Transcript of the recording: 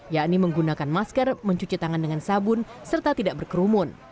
yakni menggunakan masker mencuci tangan dengan sabun serta tidak berkerumun